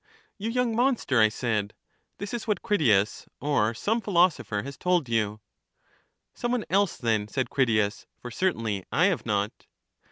You young monster! I said; this is what Critias, or some philosopher has told you. Some one else, then, said Critias; for certainly I have not.